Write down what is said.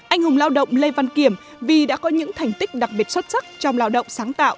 anh hùng lao động lê văn kiểm vì đã có những thành tích đặc biệt xuất sắc trong lao động sáng tạo